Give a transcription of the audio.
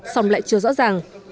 song lại chưa rõ ràng